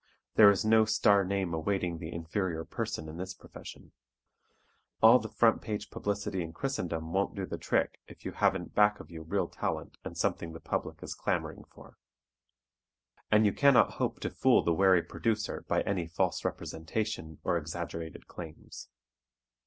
There is no star name awaiting the inferior person in this profession. All the front page publicity in christendom won't do the trick if you haven't back of you real talent and something the public is clamoring for. And you cannot hope to fool the wary producer by any false representation or exaggerated claims.